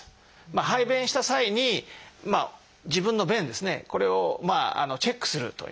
排便した際に自分の便ですねこれをチェックするという。